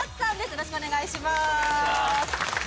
よろしくお願いします